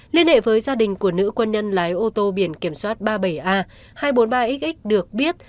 liên hệ với gia đình của nữ quân nhân lái ô tô biển kiểm soát ba mươi bảy a hai trăm bốn mươi ba x được biết